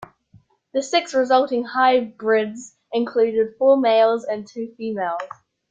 The six resulting hybrids included four males and two females.